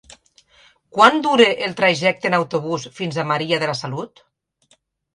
Quant dura el trajecte en autobús fins a Maria de la Salut?